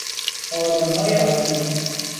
آرمانهای عالی